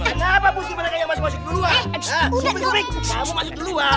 kenapa busur mereka yang masuk masuk ke duluan